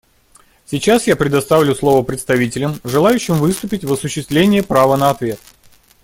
Сейчас я предоставлю слово представителям, желающим выступить в осуществление права на ответ.